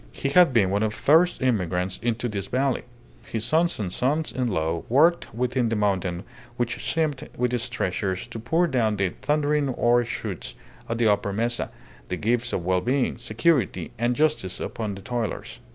He had been one of the first immigrants into this valley; his sons and sons in law worked within the mountain which seemed with its treasures to pour down the thundering ore shoots of the upper mesa, the gifts of well being, security, and justice upon the toilers.